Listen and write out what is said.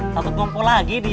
satu kompo lagi dia